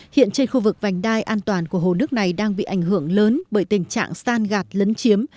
hiện trên khu vực vành đai an toàn của hồ nước này đang bị ảnh hưởng lớn bởi tình trạng san gạt lấn chiếm